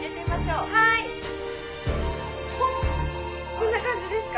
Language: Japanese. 「こんな感じですか？」